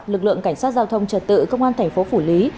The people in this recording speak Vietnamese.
lực lượng cảnh sát giao thông trật tự công an thành phố phủ lý